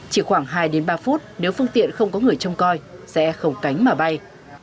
chỉ khoảng hai ba phút nếu phương tiện không có người trông coi xe không cánh mà bay